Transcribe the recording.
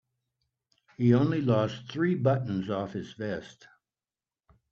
He only lost three buttons off his vest.